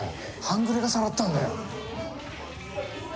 半グレがさらったんだよ。